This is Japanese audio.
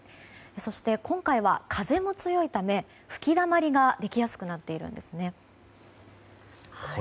そして、今回は風も強いため吹きだまりができやすくなっているんです。